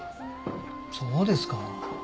そうですか。